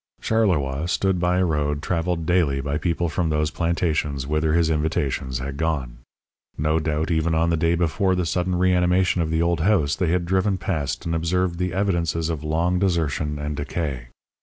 Charleroi stood by a road travelled daily by people from those plantations whither his invitations had gone. No doubt even on the day before the sudden reanimation of the old house they had driven past and observed the evidences of long desertion and decay.